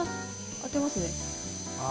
当てますね。